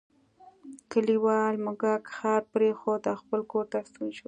کلیوال موږک ښار پریښود او خپل کور ته ستون شو.